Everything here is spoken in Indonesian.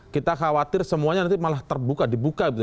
kita khawatir semuanya nanti malah terbuka dibuka gitu